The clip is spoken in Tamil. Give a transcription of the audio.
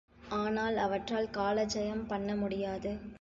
ஆனால் அவற்றால் கால ஜயம் பண்ண முடியாது.